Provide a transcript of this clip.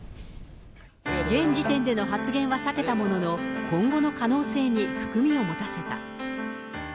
現時点での発言は避けたものの、今後の可能性に含みを持たせた。